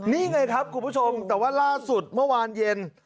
นี่ไงครับคุณผู้ชมแต่ว่าล่าสุดเมื่อวานเย็น